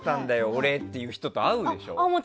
俺っていう人と会ったでしょ？